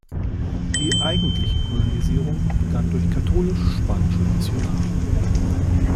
Die eigentliche Kolonisierung begann durch katholisch-spanische Missionare.